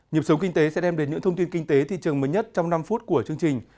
nhịp sống kinh tế sẽ đem đến những thông tin kinh tế thị trường mới nhất trong năm phút của chương trình